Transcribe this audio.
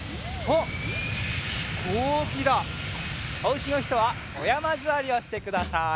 おうちのひとはおやまずわりをしてください。